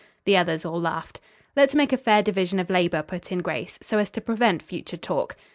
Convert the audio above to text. The others all laughed. "Let's make a fair division of labor," put in Grace, "so as to prevent future talk."